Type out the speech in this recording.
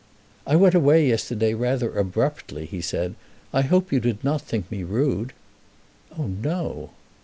"I went away yesterday rather abruptly," he said. "I hope you did not think me rude." "Oh no."